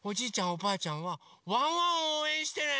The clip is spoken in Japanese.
おばあちゃんはワンワンをおうえんしてね！